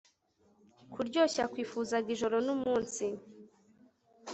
Kuryoshya kwifuzaga ijoro numunsi